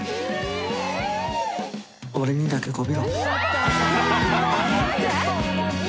俺にだけこびろ。